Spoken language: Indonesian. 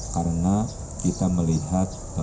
karena kita melihat